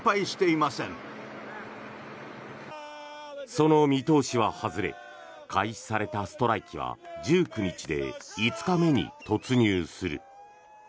その見通しは外れ開始されたストライキは１９日で５日目に突入する。